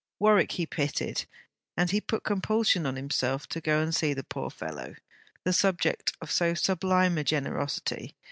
Warwick he pitied, and he put compulsion on himself to go and see the poor fellow, the subject of so sublime a generosity.